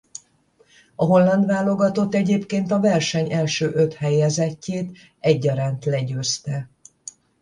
A holland válogatott egyébként a verseny első öt helyezettjét egyaránt legyőzte.